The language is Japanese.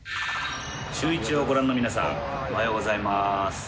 シューイチをご覧の皆さん、おはようございます。